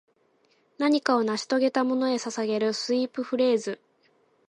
何かを成し遂げたものへ捧げるスウィープフレーズ